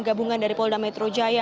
gabungan dari polda metro jaya